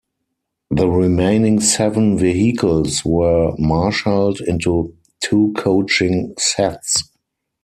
The remaining seven vehicles were marshalled into two coaching sets.